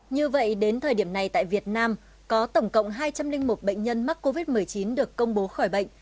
như vậy đến thời điểm này tại việt nam có tổng cộng hai trăm linh một bệnh nhân mắc covid một mươi chín được công bố khỏi bệnh